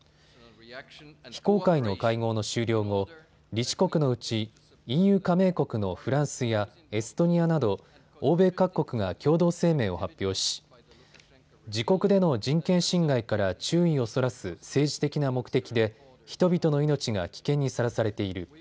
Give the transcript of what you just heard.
非公開の会合の終了後、理事国のうちＥＵ加盟国のフランスやエストニアなど欧米各国が共同声明を発表し自国での人権侵害から注意をそらす政治的な目的で人々の命が危険にさらされている。